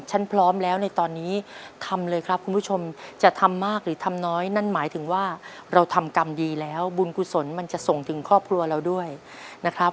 พร้อมแล้วในตอนนี้ทำเลยครับคุณผู้ชมจะทำมากหรือทำน้อยนั่นหมายถึงว่าเราทำกรรมดีแล้วบุญกุศลมันจะส่งถึงครอบครัวเราด้วยนะครับ